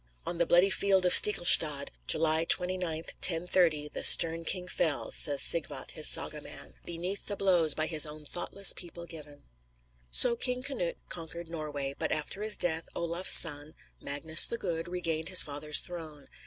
On the bloody field of Stiklestad, July 29, 1030, the stern king fell, says Sigvat, his saga man, "beneath the blows By his own thoughtless people given." So King Canute conquered Norway; but after his death, Olaf's son, Magnus the Good, regained his father's throne.